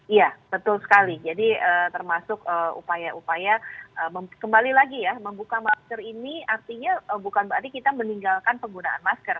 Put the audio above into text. iya betul sekali jadi termasuk upaya upaya kembali lagi ya membuka masker ini artinya bukan berarti kita meninggalkan penggunaan masker